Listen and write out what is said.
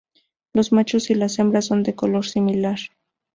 Los machos y las hembras son de color similar.